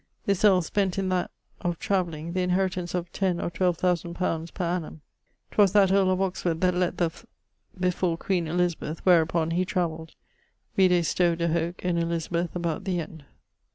This earle spent in that ... of travelling, the inheritance of ten or twelve thousand pounds per annum. [LXXXVIII.] 'Twas that earle of Oxford that lett the f before queen Elizabeth: wherupon he travelled. Vide Stowe de hoc, in Elizabeth about the end.